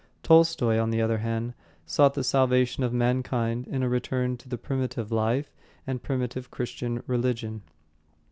Tolstoy, on the other hand, sought the salvation of mankind in a return to the primitive life and primitive Christian religion.